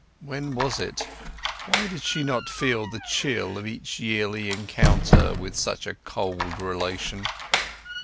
When was it? Why did she not feel the chill of each yearly encounter with such a cold relation?